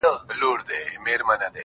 يې ه ځكه مو په شعر كي ښكلاگاني دي,